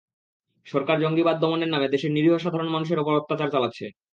সরকার জঙ্গিবাদ দমনের নামে দেশের নিরীহ সাধারণ মানুষের ওপর অত্যাচার চালাচ্ছে।